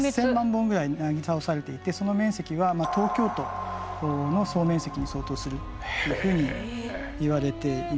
本ぐらいなぎ倒されていてその面積は東京都の総面積に相当するというふうにいわれています。